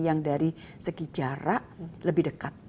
yang dari segi jarak lebih dekat